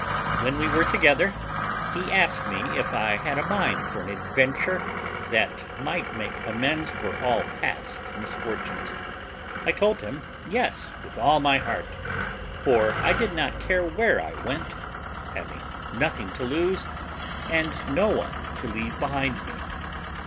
When we were together, he asked me if I had a mind for an adventure that might make amends for all past misfortunes. I told him, yes, with all my heart; for I did not care where I went, having nothing to lose, and no one to leave behind me.